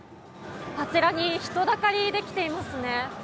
あちらに人だかりできていますね。